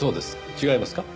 違いますか？